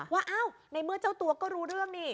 ว่าอ้าวในเมื่อเจ้าตัวก็รู้เรื่องนี่